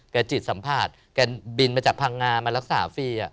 แก่จิตสัมภาษณ์แก่บินมาจากพังงามารักษาฟรีอ่ะ